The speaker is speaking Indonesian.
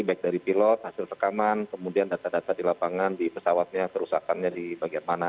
baik dari pilot hasil rekaman kemudian data data di lapangan di pesawatnya kerusakannya di bagian mana